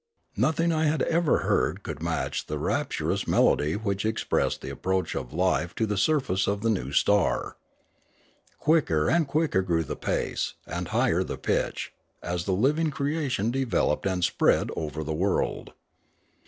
Nothing I had ever heard could match the rapturous melody which expressed the approach of life to the surface of the new star. Quicker and quicker grew the* pace, and higher the pitch, as the living creation developed and spread over the world.